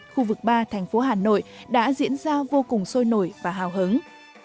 khu vực ba thành phố hà nội đã diễn ra vô cùng sôi nổi và hào hứng